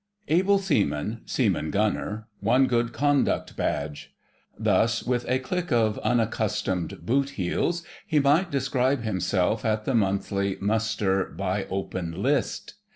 * "Able Seaman, Seaman Gunner, one Good Conduct Badge." Thus, with a click of unaccustomed boot heels, he might describe himself at the monthly "Muster by open list."